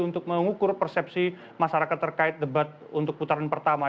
untuk mengukur persepsi masyarakat terkait debat untuk putaran pertama